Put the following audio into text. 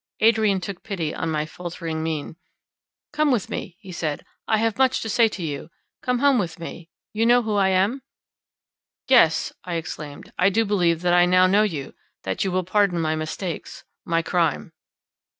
Adrian took pity on my faltering mien: "Come with me," he said, "I have much to say to you; come home with me—you know who I am?" "Yes," I exclaimed, "I do believe that I now know you, and that you will pardon my mistakes—my crime."